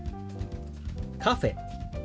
「カフェ」。